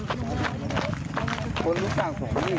เดี๋ยว